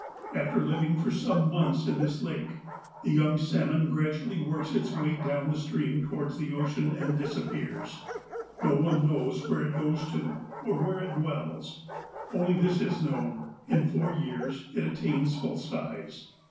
After living for some months in this lake, the young salmon gradually works its way down the stream towards the ocean, and disappears. No one knows where it goes to, or where it dwells. Only this is known : in four years, it attains full size.